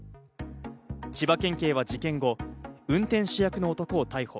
千葉県警は事件後、運転手役の男を逮捕。